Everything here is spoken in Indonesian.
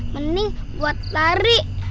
mending buat lari